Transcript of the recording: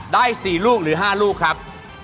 ได้๔ลูกหรือ๕ลูกครับ